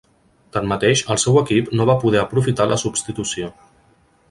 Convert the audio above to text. Tanmateix, el seu equip no va poder aprofitar la substitució.